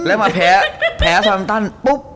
และมาแพ้ซัลล่ำตันปุ๊บ